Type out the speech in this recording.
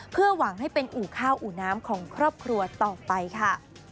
เพื่อหวังให้เป็นอู่ข้าวอู่น้ำของครอบครัวต่อไปค่ะ